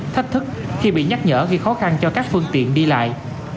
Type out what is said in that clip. thách thức khi bị nhắc nhở gây khó khăn cho các phương tiện đi lại